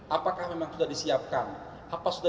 apakah memang sudah disiapkan apa sudah